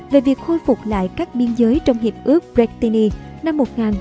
về việc khôi phục lại các biên giới trong hiệp ước bretigny năm một nghìn ba trăm sáu mươi